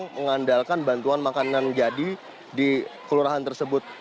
mengandalkan bantuan makanan jadi di kelurahan tersebut